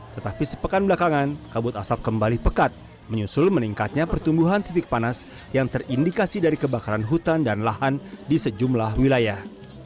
tetapi sepekan belakangan kabut asap kembali pekat menyusul meningkatnya pertumbuhan titik panas yang terindikasi dari kebakaran hutan dan lahan di sejumlah wilayah